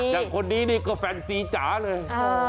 อย่างคนนี้นี่ก็แฟนซีจ๋าเลย